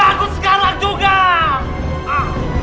aku tidak terima